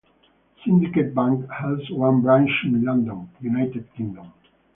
Syndicate Bank has one branch in London, United Kingdom.